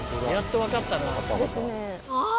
やっとわかったな。